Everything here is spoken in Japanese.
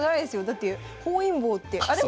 だって本因坊って。